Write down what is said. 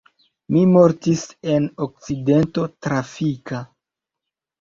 Mi mortis en akcidento trafika.